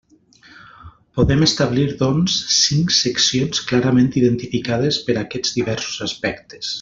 Podem establir, doncs, cinc seccions clarament identificades per aquests diversos aspectes.